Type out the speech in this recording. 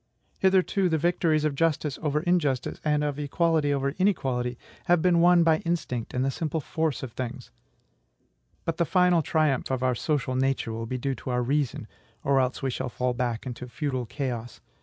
Hitherto the victories of justice over injustice, and of equality over inequality, have been won by instinct and the simple force of things; but the final triumph of our social nature will be due to our reason, or else we shall fall back into feudal chaos.